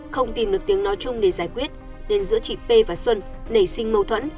không tìm được tiếng nói chung để giải quyết nên giữa chị p và xuân nảy sinh mâu thuẫn